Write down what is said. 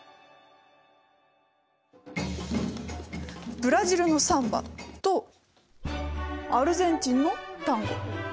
ブラジルのサンバとアルゼンチンのタンゴ。